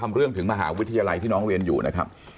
เรื่องถึงมหาวิทยาลัยที่น้องเรียนอยู่นะครับ